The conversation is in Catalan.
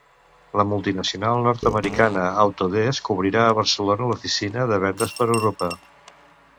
La multinacional nord-americana Autodesk obrirà a Barcelona l'oficina de vendes per a Europa.